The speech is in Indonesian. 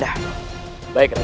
kita harus lebih berkembang